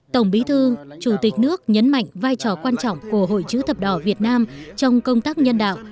tổng bí thư chủ tịch nước nhấn mạnh vai trò quan trọng của hội chữ thập đỏ việt nam trong công tác nhân đạo